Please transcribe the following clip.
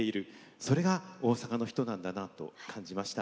それが大阪の人なんだなと感じました。